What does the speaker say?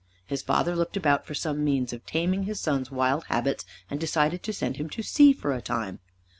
His father looked about for some means of taming his son's wild habits and decided to send him to sea for a time.